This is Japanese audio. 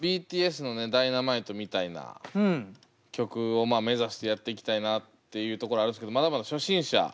ＢＴＳの「Ｄｙｎａｍｉｔｅ」みたいな曲を目指してやっていきたいなっていうところはあるんですけどまだまだ初心者。